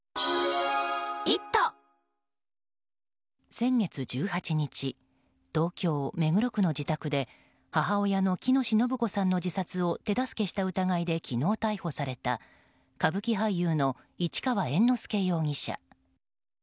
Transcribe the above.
先月１８日東京・目黒区の自宅で母親の喜熨斗延子さんの自殺を手助けした疑いで昨日逮捕された歌舞伎俳優の市川猿之助容疑者。